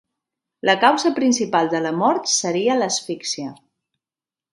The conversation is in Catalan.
La causa principal de la mort seria l'asfíxia.